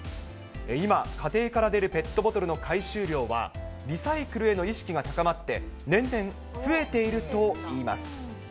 今、家庭から出るペットボトルの回収量は、リサイクルへの意識が高まって、年々増えているといいます。